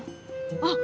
あっ！